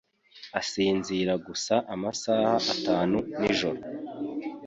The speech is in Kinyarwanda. asinzira gusa amasaha atanu nijoro.